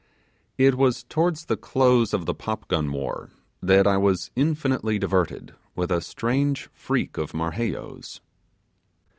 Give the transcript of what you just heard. It was towards the close of the pop gun war, that I was infinitely diverted with a strange freak of Marheyo's.